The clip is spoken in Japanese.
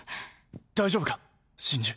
大丈夫か真珠？